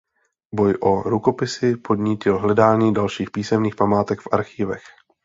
Boj o Rukopisy podnítil hledání dalších písemných památek v archivech.